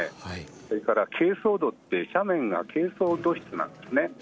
それから珪藻土って斜面が珪藻土質なんですね。